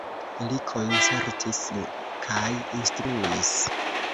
Li koncertis kaj instruis.